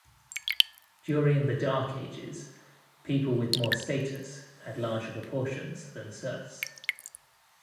During the Dark Ages, people with more status had larger proportions than serfs.